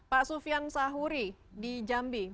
pak sufian sahuri di jambi